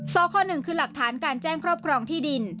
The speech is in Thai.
สค๑คือหลักฐานการแจ้งครอบครองที่ดิน